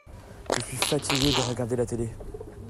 Je suis fatigué de regarder la télé.